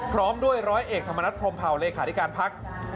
พร้อมด้วยร้อยเอกธรรมนัฐพรมเผาเลขาธิการพัก